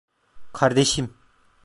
Kardeşim!